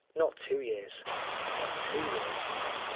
Not two years not two years."